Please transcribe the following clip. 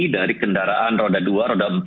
dari kendaraan roda dua roda empat